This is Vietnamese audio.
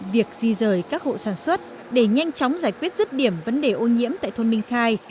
việc di rời các hộ sản xuất để nhanh chóng giải quyết rứt điểm vấn đề ô nhiễm tại thôn minh khai